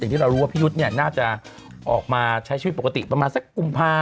อย่างที่เรารู้ว่าพี่ยุทธ์น่าจะออกมาใช้ชีวิตปกติประมาณสักกลุ่มพา